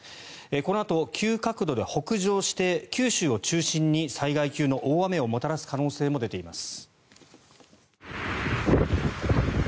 このあと急角度で北上して九州を中心に災害級の大雨をもたらす可能性も出ています。